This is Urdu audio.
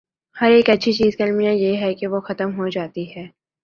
ہر اچھی چیز کا المیہ یہ ہے کہ وہ ختم ہو جاتی ہے۔